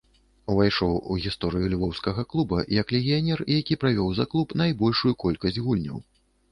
Увайшоў у гісторыю львоўскага клуба як легіянер, які правёў за клуб найбольшую колькасць гульняў.